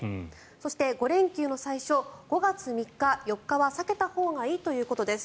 そして、５連休の最初５月３日、４日は避けたほうがいいということです。